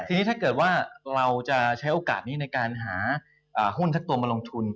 ทีนี้ถ้าเกิดว่าเราจะใช้โอกาสนี้ในการหาหุ้นทั้งตัวมาลงทุน